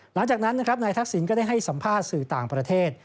หลังจากนั้นนะครับนายทักษิณก็ได้ให้สัมภาษณ์สื่อต่างประเทศ